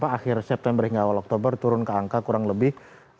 akhir september hingga awal oktober turun ke angka kurang lebih